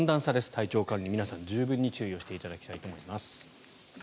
体調管理、皆さん十分に注意をしていただきたいと思います。